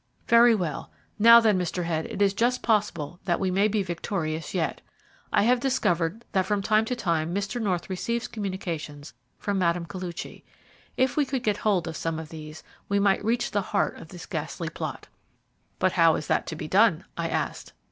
"Very well. Now, then, Mr. Head, it is just possible that we may be victorious yet. I have discovered that from time to time Mr. North receives communications from Mme. Koluchy. If we could get hold of some of these we might reach the heart of this ghastly plot." "But how is that to be done?" I asked.